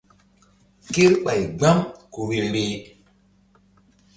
Kerɓay gbam ku vbe-vbeh.